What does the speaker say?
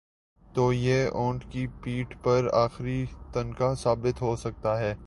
تو یہ اونٹ کی پیٹھ پر آخری تنکا ثابت ہو سکتا ہے۔